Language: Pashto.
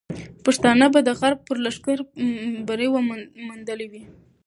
پښتانه به د غرب پر لښکر بری موندلی وي.